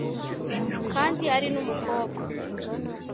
kandi ari numukobwa